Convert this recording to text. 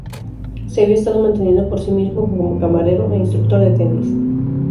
Se había estado manteniendo por sí mismo como camarero e instructor de tenis.